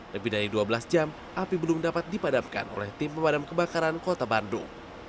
lebih dari dua belas jam api belum dapat dipadamkan oleh tim pemadam kebakaran kota bandung